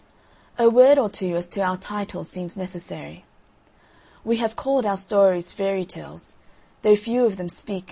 A word or two as to our title seems necessary. We have called our stories Fairy Tales though few of them speak of fairies.